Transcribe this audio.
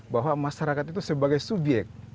bahwa masyarakat itu sebagai subyek